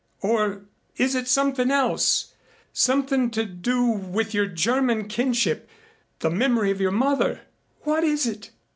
Or is it something else something to do with your German kinship the memory of your mother. What is it?